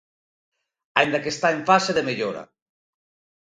Aínda que está en fase de mellora.